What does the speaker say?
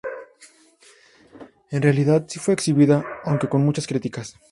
En realidad si fue exhibida, aunque con muchas críticas.